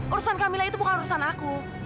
urusan kamilah itu bukan urusan aku